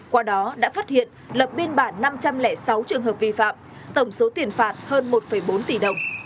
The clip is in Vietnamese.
qua đó đã phát hiện lập biên bản năm trăm linh sáu trường hợp vi phạm tổng số tiền phạt hơn một bốn tỷ đồng